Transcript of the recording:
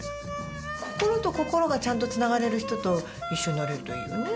心と心がちゃんとつながれる人と一緒になれるといいよねぇ。